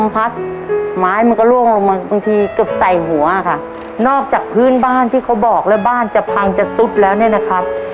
บางทีเกือบใส่หัวค่ะนอกจากพื้นบ้านที่เขาบอกแล้วบ้านจะพังจะซุดแล้วเนี่ยนะครับ